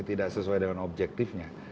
tidak sesuai dengan objektifnya